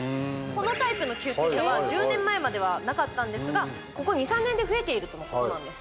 このタイプの救急車は１０年前まではなかったんですがここ２３年で増えているとのことなんです。